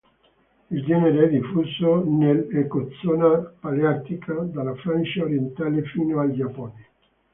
Il genere è diffuso nell'Ecozona paleartica, dalla Francia orientale fino al Giappone.